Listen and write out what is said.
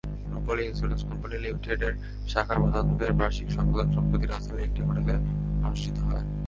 রূপালী insurance company লিমিটেডের শাখা-প্রধানদের বার্ষিক সম্মেলন সম্প্রতি রাজধানীর একটি হোটেলে অনুষ্ঠিত হয়।